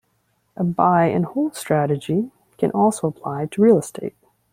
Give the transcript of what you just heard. A buy and hold strategy can also apply to real estate.